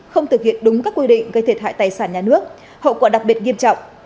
không thực hiện đúng các quy định gây thiệt hại tài sản nhà nước hậu quả đặc biệt nghiêm trọng